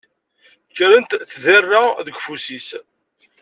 Kkrent tderra deg ufus-is.